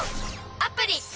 アプリ！